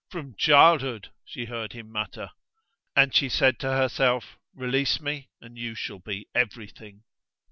"From childhood!" she heard him mutter; and she said to herself, "Release me, and you shall be everything!"